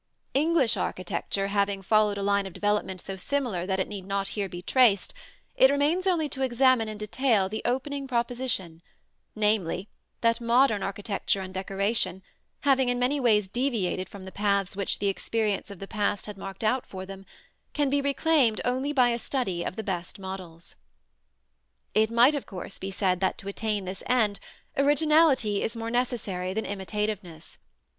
English architecture having followed a line of development so similar that it need not here be traced, it remains only to examine in detail the opening proposition, namely, that modern architecture and decoration, having in many ways deviated from the paths which the experience of the past had marked out for them, can be reclaimed only by a study of the best models. It might of course be said that to attain this end originality is more necessary than imitativeness.